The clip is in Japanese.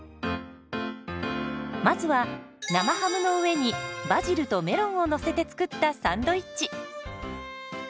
まずは生ハムの上にバジルとメロンをのせて作ったサンドイッチ。